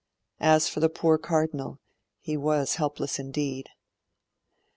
As for the poor Cardinal, he was helpless indeed.